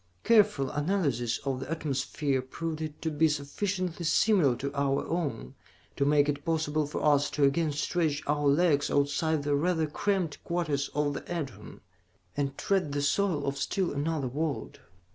"Careful analysis of the atmosphere proved it to be sufficiently similar to our own to make it possible for us to again stretch our legs outside the rather cramped quarters of the Edorn, and tread the soil of still another world.